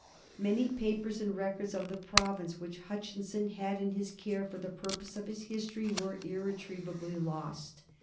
Many papers and records of the province which Hutchinson had in his care for the purpose of his history were irretrievably lost.